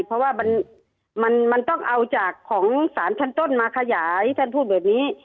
เพราะว่ามันต้องเอาจากของสารชั้นต้นมาขยายท่านพูดแบบนี้